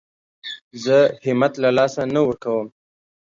زه همت له لاسه نه ورکوم.